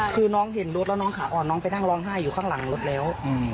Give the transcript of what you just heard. คือน้องเห็นรถแล้วน้องขาอ่อนน้องไปนั่งร้องไห้อยู่ข้างหลังรถแล้ว